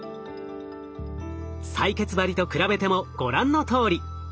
採血針と比べてもご覧のとおり。